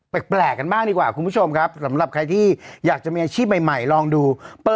แปลกกันบ้างดีกว่าคุณผู้ชมครับสำหรับใครที่อยากจะมีอาชีพใหม่ลองดู